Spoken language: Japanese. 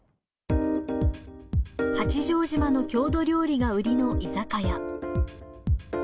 八丈島の郷土料理が売りの居酒屋。